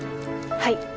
はい。